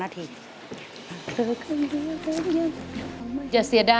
เดี๋ยวนะ